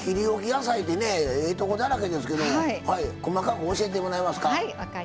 野菜でねええとこだらけですけど細かく教えてもらえますか？